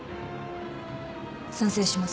賛成します。